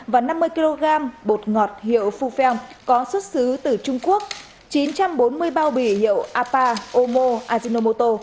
và năm mươi kg bột ngọt hiệu fufeng có xuất xứ từ trung quốc chín trăm bốn mươi bao bì hiệu apa omo azinomoto